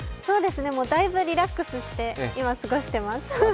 もう大分リラックスして今、過ごしています。